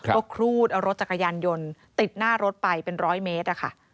ก็ครูดเอารถจักรยานยนต์ติดหน้ารถไปเป็นร้อยเมตรอะค่ะ